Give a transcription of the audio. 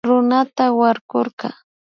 Runata warkurka